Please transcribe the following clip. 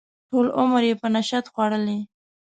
ټول عمر یې په نشت خوړلی.